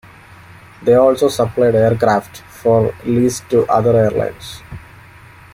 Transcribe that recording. They also supplied aircraft for lease to other airlines.